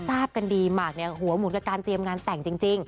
ทราบกันดีหมากเนี่ยหัวหมุนกับการเตรียมงานแต่งจริง